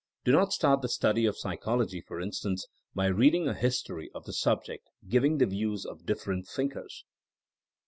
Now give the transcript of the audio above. Do not start the study of psychology, for instance, by reading a history of the subject giving the views of different think ers.